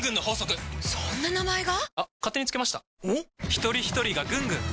ひとりひとりがぐんぐん！